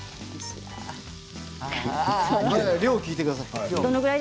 量を聞いてください。